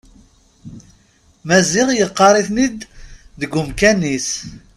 Maziɣ yeqqar-iten-id deg umkan-is.